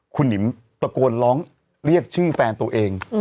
คุณหนิมตะโกนร้องเรียกชื่อแฟนตัวเอง